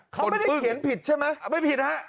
เขาไม่ได้เขียนผิดใช่ไหมไม่ผิดฮะ